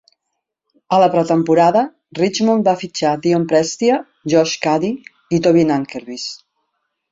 A la pretemporada, Richmond va fitxar Dion Prestia, Josh Caddy i Toby Nankervis.